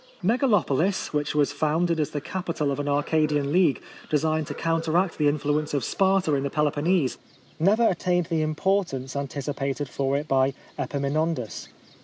Megalopolis, which was founded as the capital of an Arcadian league, designed to counteract the influence of Sparta in the Peloponnese, never attained the importance anticipated for it by Epaminondas.